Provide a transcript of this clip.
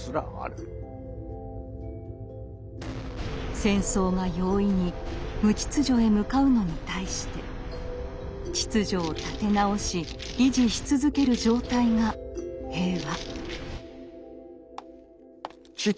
戦争が容易に「無秩序」へ向かうのに対して秩序を立て直し維持し続ける状態が平和。